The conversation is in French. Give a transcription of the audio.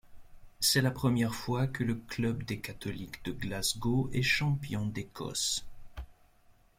C’est la première fois que le club des catholiques de Glasgow est champion d’Écosse.